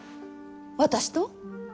私と？